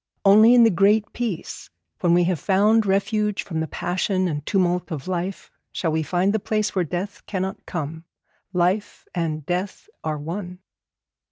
Only in the Great Peace, when we have found refuge from the passion and tumult of life, shall we find the place where death cannot come. Life and death are one.